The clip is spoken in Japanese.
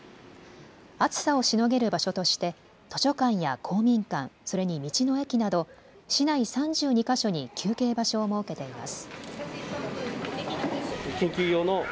暑さをしのげる場所として図書館や公民館、それに道の駅など市内３２か所に休憩場所を設けています。